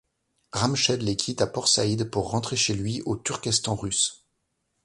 Rachmed les quitte à Port-Saïd pour rentrer chez lui au Turkestan russe.